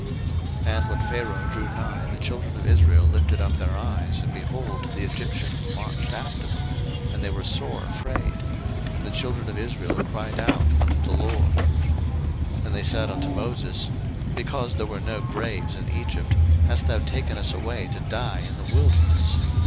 02:014:010 And when Pharaoh drew nigh, the children of Israel lifted up their eyes, and, behold, the Egyptians marched after them; and they were sore afraid: and the children of Israel cried out unto the LORD. 02:014:011 And they said unto Moses, Because there were no graves in Egypt, hast thou taken us away to die in the wilderness?